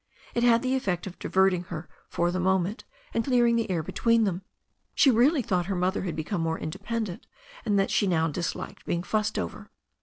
It had the effect of diverting her for the moment, and clearing the air between them. She really thought her mother was becoming more independent, and that she now disliked being fussed over.